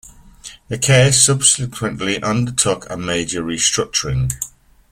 The Caisse subsequently undertook a major restructuring.